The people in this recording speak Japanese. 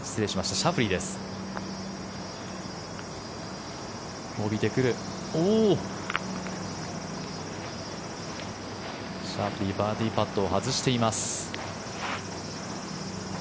シャフリー、バーディーパットを外しています。